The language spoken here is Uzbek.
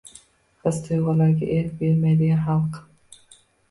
His-tuygʻularga erk bermaydigan xalq.